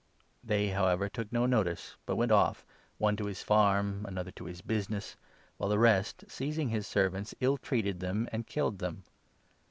They, however, took no notice, but went off, one to his farm, 5 another to his business ; while the rest, seizing his servants, 6 ill treated them and killed them.